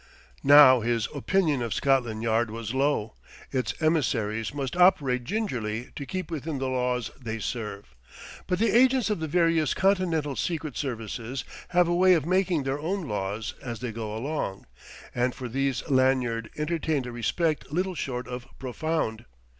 Now his opinion of Scotland Yard was low; its emissaries must operate gingerly to keep within the laws they serve. But the agents of the various Continental secret services have a way of making their own laws as they go along: and for these Lanyard entertained a respect little short of profound.